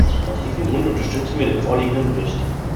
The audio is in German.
Aus diesem Grund unterstützen wir den vorliegenden Bericht.